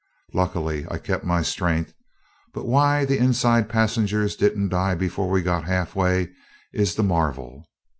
Luckily, I kept my strength; but why the inside passengers didn't die before we got half way is the marvel.